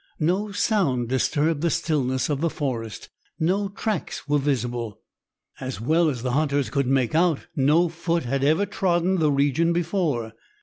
No sound disturbed the stillness of the forest, no tracks were visible. As well as the hunters could make out, no foot had ever trodden the region before.